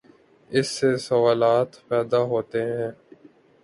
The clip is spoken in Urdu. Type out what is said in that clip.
اس سے سوالات پیدا ہوتے ہیں۔